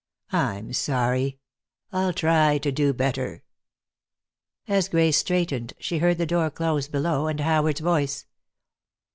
I'm sorry. I'll try to do better." As Grace straightened she heard the door close below, and Howard's voice.